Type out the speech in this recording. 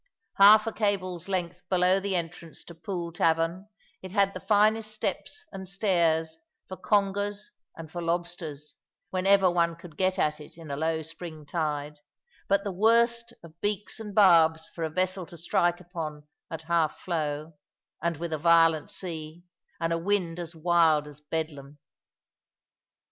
Half a cable's length below the entrance to Pool Tavan, it had the finest steps and stairs for congers and for lobsters, whenever one could get at it in a low spring tide; but the worst of beaks and barbs for a vessel to strike upon at half flow, and with a violent sea, and a wind as wild as Bedlam.